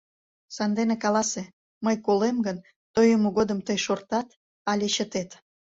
Сандене каласе: мый колем гын, тойымо годым тый шортат але чытет?